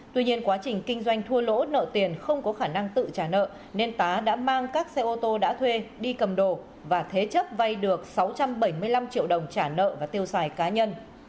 tuy nhiên quá trình kinh doanh thua lỗ nợ tiền không có khả năng tự trả nợ nên tá đã mang các xe ô tô đã thuê đi cầm đồ và thế chấp vay được sáu trăm bảy mươi năm triệu đồng trả nợ và tiêu xài cá nhân